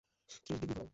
ত্রিশ ডিগ্রী ঘোরাও।